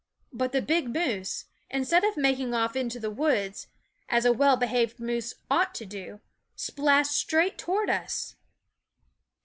But the big moose, instead of making off into the woods, as a well behaved moose ought to do, splashed straight toward us.